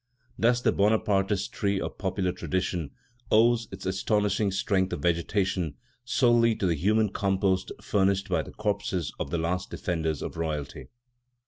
Thus the Bonapartist tree of popular tradition owes its astonishing strength of vegetation solely to the human compost furnished by the corpses of the last defenders of royalty.